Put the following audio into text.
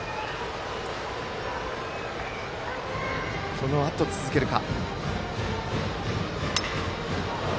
このあと、続けるか。